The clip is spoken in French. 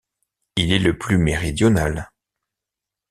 Il est le plus méridional.